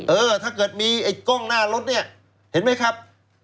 เออถ้าเกิดมีไอ้กล้องหน้ารถเนี่ยเห็นไหมครับ